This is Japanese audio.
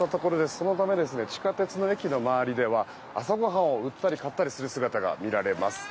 そのため地下鉄の駅の周りでは朝ごはんを売ったり買ったりする姿が見られます。